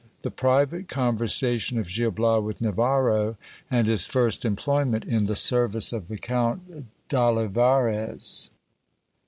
— The private conversation of Gil Bias ivith Navarro, and his first employment in the service of the Count d'Olivarez.